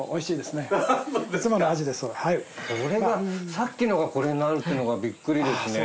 さっきのがこれになるってのがビックリですね。